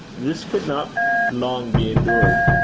This could not long be endured.